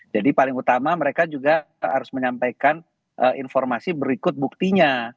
jadi paling utama mereka juga harus menyampaikan informasi berikut buktinya